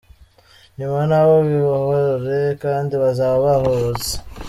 Nyuma nabo bibohore kdi bazaba babohotse!